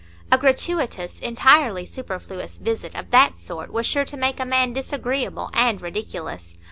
A gratuitous, entirely superfluous visit of that sort was sure to make a man disagreeable and ridiculous.